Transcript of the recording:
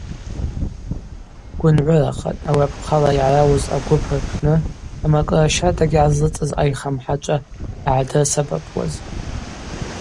Гвынгӏвырахатӏ ауи апхъала йгӏарауыз агвып рпны амакӏыра щардагьи гӏазлыцӏыз айха мхӏачӏва ъагӏадрысабапуаз.